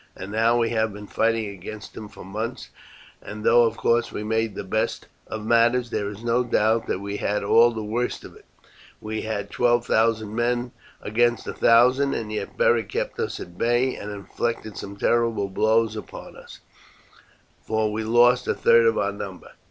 And now we have been fighting against him for months, and though of course we made the best of matters, there is no doubt that we had all the worst of it. We had twelve thousand men against a thousand, and yet Beric kept us at bay and inflicted some terrible blows upon us, for we lost a third of our number.